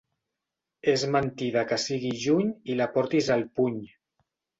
És mentida que sigui juny i la portis al puny.